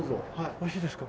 よろしいですか？